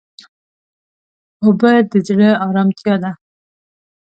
اوبه د زړه ارامتیا ده.